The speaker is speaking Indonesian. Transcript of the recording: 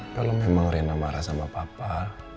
kalau memang rena marah sama papa